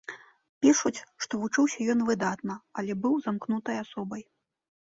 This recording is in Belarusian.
Пішуць, што вучыўся ён выдатна, але быў замкнутай асобай.